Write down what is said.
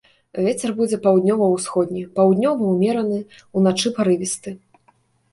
Вецер будзе паўднёва-ўсходні, паўднёвы ўмераны, уначы парывісты.